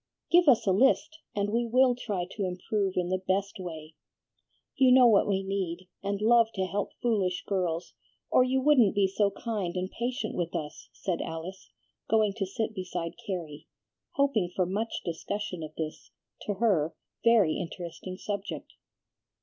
"Give us a list, and we will try to improve in the best way. You know what we need, and love to help foolish girls, or you wouldn't be so kind and patient with us," said Alice, going to sit beside Carrie, hoping for much discussion of this, to her, very interesting subject.